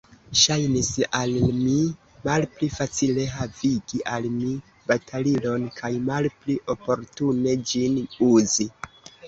Ŝajnis al mi malpli facile, havigi al mi batalilon, kaj malpli oportune, ĝin uzi.